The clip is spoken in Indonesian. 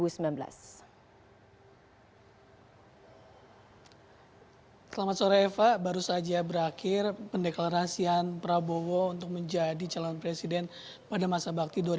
selamat sore eva baru saja berakhir pendeklarasian prabowo untuk menjadi calon presiden pada masa bakti dua ribu dua puluh